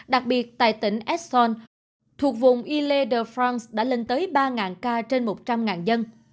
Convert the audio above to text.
đặc biệt tại tỉnh aix en saul thuộc vùng ile de france đã lên tới ba ca trên một trăm linh dân